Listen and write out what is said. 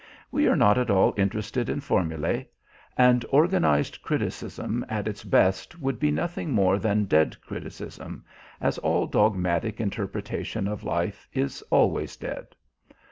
We are not at all interested in formulae, and organised criticism at its best would be nothing more than dead criticism, as all dogmatic interpretation of life is always dead.